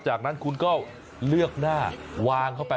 จากนั้นคุณก็เลือกหน้าวางเข้าไป